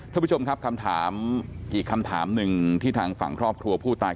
ท่านผู้ชมครับคำถามอีกคำถามหนึ่งที่ทางฝั่งครอบครัวผู้ตาย